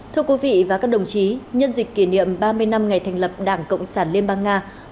thưa quý vị và các đồng chí nhân dịp kỷ niệm ba mươi năm ngày thành lập đảng cộng sản liên bang nga